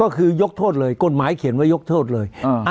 ก็คือยกโทษเลยกฎหมายเขียนไว้ยกโทษเลย